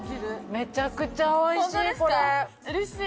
・めちゃくちゃおいしい！